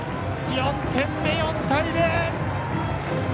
４点目、４対０！